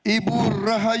ibu rahayu saraswati